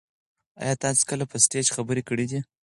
ایا تاسي کله په سټیج خبرې کړي دي؟